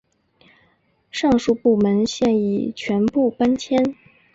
上述部门现已全部搬迁。